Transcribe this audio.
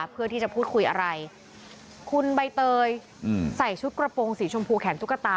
เพื่อที่จะพูดคุยอะไรคุณใบเตยใส่ชุดกระโปรงสีชมพูแขนตุ๊กตา